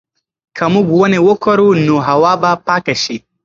که موږ ونې وکرو نو هوا به پاکه شي.